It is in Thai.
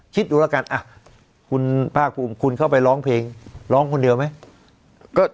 คิดดูแล้วกันคุณภาคภูมิคุณเข้าไปร้องเพลงร้องคนเดียวไหม